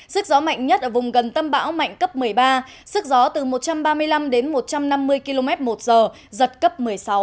sức gió mạnh nhất ở vùng gần tâm bão mạnh cấp một mươi ba sức gió từ một trăm ba mươi năm đến một trăm năm mươi km một giờ giật cấp một mươi sáu